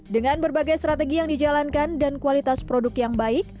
dengan berbagai strategi yang dijalankan dan kualitas produk yang baik